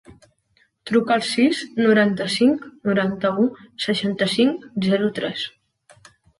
Truca al sis, noranta-cinc, noranta-u, seixanta-cinc, zero, tres.